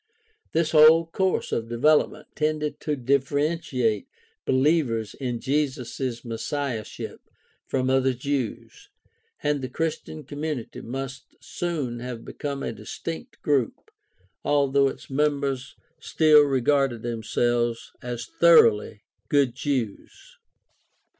This whole course of development tended to differentiate believers in Jesus' messiahship from other Jews, and the Chris tian community must soon have become a distinct group, although its members still regarded themselves as thoroughly good Jews.